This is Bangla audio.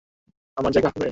আমার জায়গা হবে?